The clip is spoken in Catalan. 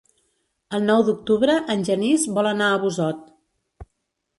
El nou d'octubre en Genís vol anar a Busot.